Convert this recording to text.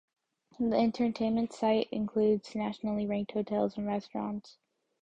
The entertainment site includes nationally ranked hotels and restaurants.